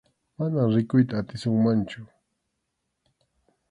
Manam rikuyta atisunmanchu.